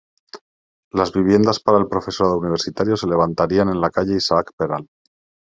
Las viviendas para el profesorado universitario se levantarían en la calle Isaac Peral.